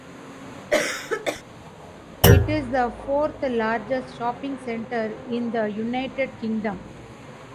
It is the fourth largest shopping centre in The United Kingdom.